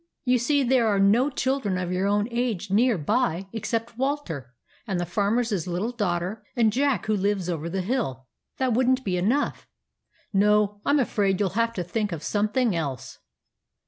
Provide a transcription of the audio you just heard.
You see there are no children of your own age near by except Walter, and the Farmer's little daughter, and Jack who lives over the hill. That would n't be enough. No, I 'm afraid you '11 have to think of something else."